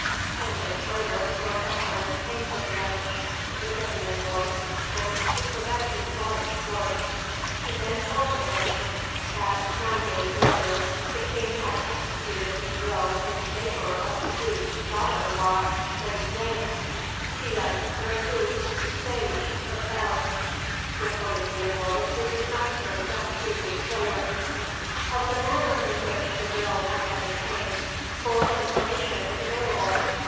Ten days later Northumberland came from Greenwich to visit the envoy, and to prevent his going to Court. He then told the Frenchman that, nine days earlier, the King had executed his will in favour of the Duke's daughter in law, Lady Jane "qui est vertueuse, sage, et belle," reported the envoy to his master some three weeks later. Of the manner in which the will had been obtained full information is available.